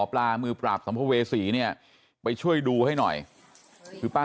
ปลามือปราบสัมภเวษีเนี่ยไปช่วยดูให้หน่อยคือป้า